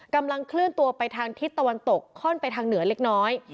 กำลังเคลื่อนตัวไปทางทิศตะวันตกค่อนไปทางเหนือเล็กน้อย